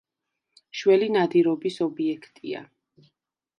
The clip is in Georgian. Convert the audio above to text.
შველი ნადირობის ობიექტია.